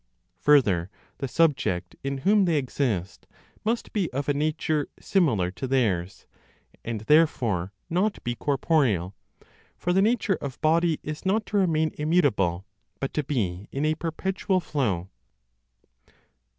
Further, the subject in whom they exist must be of a nature similar to theirs, and therefore not be corporeal; for the nature of body is not to remain immutable, but to be in a perpetual flow.